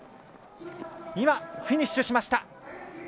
フィニッシュしました。